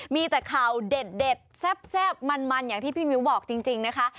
มีแต่ข่าวเด็ดแซ่บมันอย่างที่พี่มิ้วบอกจริงนะคะ